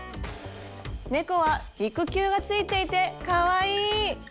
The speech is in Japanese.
猫は肉球がついていてかわいい！